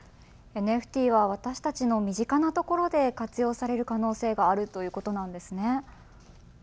ＮＦＴは私たちの身近なところで活用される可能性があるということなんですね。